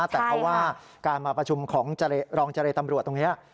แต่เพราะว่าการมาประชุมของรองเจรตำรวจตรงนี้